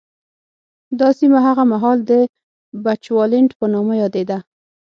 دا سیمه هغه مهال د بچوالېنډ په نامه یادېده.